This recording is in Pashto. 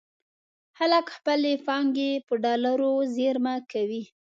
خلک خپلې پانګې په ډالرو زېرمه کوي.